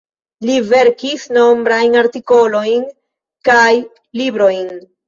Li verkis nombrajn artikolojn kaj librojn.